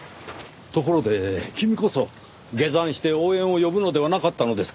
ところで君こそ下山して応援を呼ぶのではなかったのですか？